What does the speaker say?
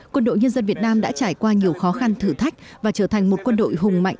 quân đội nhân dân việt nam đã trải qua nhiều khó khăn thử thách và trở thành một quân đội hùng mạnh